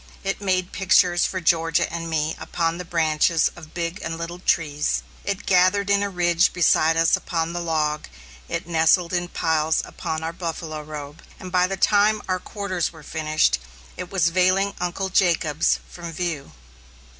It made pictures for Georgia and me upon the branches of big and little trees; it gathered in a ridge beside us upon the log; it nestled in piles upon our buffalo robe; and by the time our quarters were finished, it was veiling Uncle Jacob's from view.